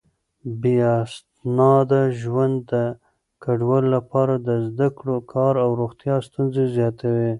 بې اسناده ژوند د کډوالو لپاره د زده کړو، کار او روغتيا ستونزې زياتوي.